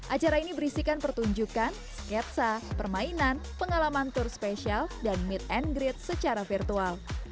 acara ini berisikan pertunjukan sketsa permainan pengalaman tur spesial dan meet and greet secara virtual